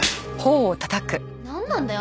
なんなんだよ？